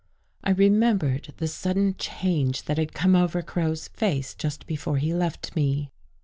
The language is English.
I remembered the sudden change that had come over Crow's face just before he left me.